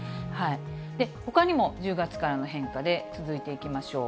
ほかにも１０月からの変化で、続いていきましょう。